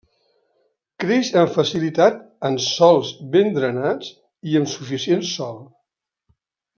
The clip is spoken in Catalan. Creix amb facilitat en sòls ben drenats i amb suficient sol.